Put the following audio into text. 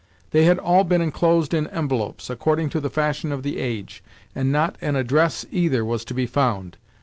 They had all been enclosed in envelopes, according to the fashion of the age, and not an address either was to be found.